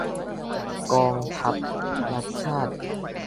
กองทัพรักชาติ !